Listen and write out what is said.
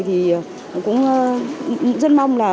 thì cũng rất mong là